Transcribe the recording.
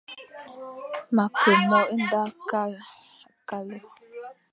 Ma Ke mo e nda kale,